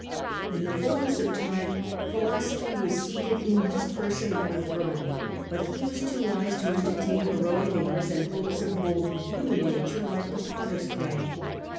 ^ In the fulness of time philosophy was seated in his person on the throne, but he was too wise to entertain heroic aims and hopes of moulding human 29 nature like the potter's clay.